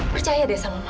percaya deh sama mama